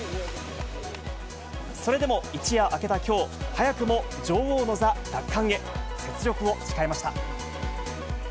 それでも一夜明けたきょう、早くも女王の座奪還へ、雪辱を誓いました。